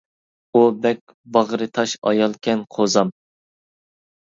ئۇ بەك باغرى تاش ئايالكەن قوزام.